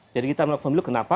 jadi kita menolak pemilu kenapa